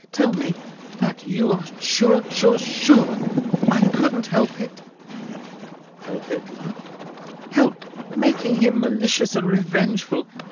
Tell me—that you are sure, sure, sure, I couldn't help it." "Help it, love?" "Help making him malicious and revengeful.